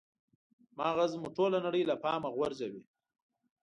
مغز مو ټوله نړۍ له پامه غورځوي.